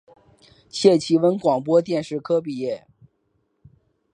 谢其文广播电视科毕业。